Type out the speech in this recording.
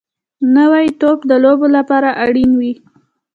نوی توپ د لوبو لپاره اړین وي